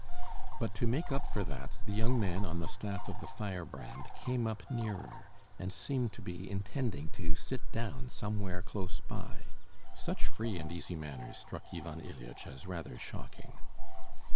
But to make up for that the young man on the staff of the Firebrand came up nearer, and seemed to be intending to sit down somewhere close by. Such free and easy manners struck Ivan Ilyitch as rather shocking.